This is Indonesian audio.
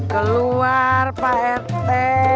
keluar pak rt